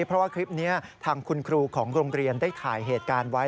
เพราะว่าคลิปนี้ทางคุณครูของโรงเรียนได้ถ่ายเหตุการณ์ไว้